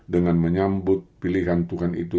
dengan menyambut pilihan tuhan itu